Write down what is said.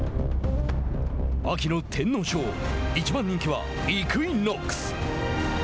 秋の天皇賞１番人気はイクイノックス。